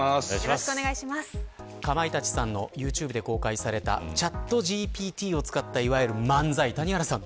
かまいたちさんのユーチューブで公開されたチャットＧＰＴを使ったいわゆる漫才谷原さん